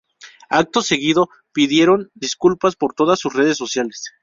Acto seguido pidieron disculpas por todas sus redes sociales.